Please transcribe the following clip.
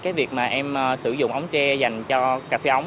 cái việc mà em sử dụng ống tre dành cho cà phê ống